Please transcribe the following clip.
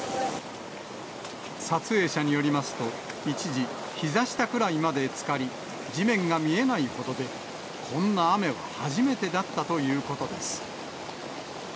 撮影者によりますと、一時、ひざ下くらいまでつかり、地面が見えないほどで、こんな雨は初めてだったということです。